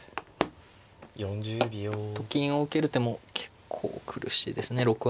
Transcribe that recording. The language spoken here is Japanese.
４０秒。と金を受ける手も結構苦しいですね。